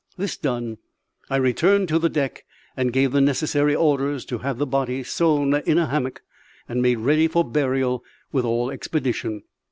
This done, I returned to the deck and gave the necessary orders to have the body sewn in a hammock, and made ready for burial with all expedition.